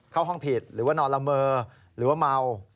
เข้าห้องผิดหรือว่านอนละเมอหรือว่าเมา